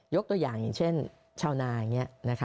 ตัวอย่างอย่างเช่นชาวนาอย่างนี้